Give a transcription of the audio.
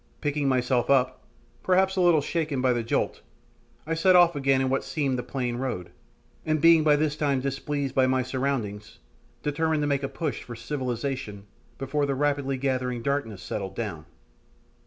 Picking myself up, perhaps a little shaken by the jolt, I set off again upon what seemed the plain road, and being by this time displeased by my surroundings, determined to make a push for "civilization" before the rapidly gathering darkness settled down.